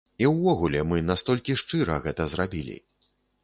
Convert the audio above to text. І ўвогуле, мы настолькі шчыра гэта зрабілі.